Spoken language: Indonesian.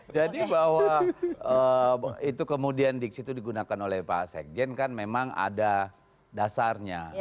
jadi bahwa itu kemudian di situ digunakan oleh pak sekjen kan memang ada dasarnya